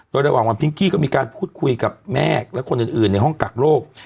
โดยระหว่างวันพิงกี้ก็มีการพูดคุยกับแม่และคนอื่นในห้องกักโรค